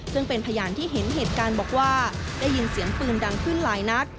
ซึ่งเป็นพยานที่เห็นเหตุการณ์บอกว่าได้ยินเสียงปืนดังขึ้นหลายนัด